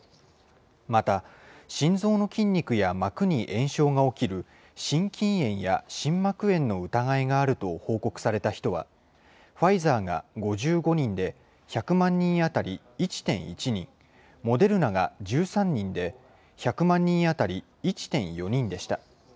また、心臓の筋肉や膜に炎症が起きる心筋炎や心膜炎の疑いがあると報告された人は、ファイザーが５５人で、１００万人当たり１．１人、モデルナが１３人で、１００万人当たり１．４人でした。